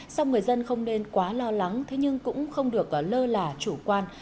song người dân không nên quá lo lắng thế nhưng cũng không được lơ là chủ quan